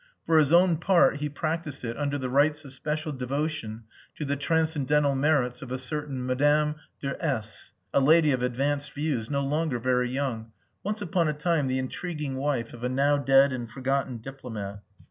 For his own part he practised it under the rites of special devotion to the transcendental merits of a certain Madame de S , a lady of advanced views, no longer very young, once upon a time the intriguing wife of a now dead and forgotten diplomat.